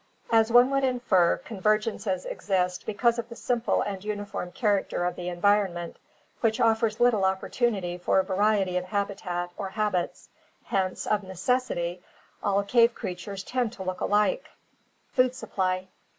— As one would infer, convergences exist because of the simple and uniform character of the environment, which offers little opportunity for variety of habitat or habits, hence of necessity all cave creatures tend to look alike. Food Supply.